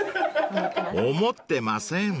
［思ってません］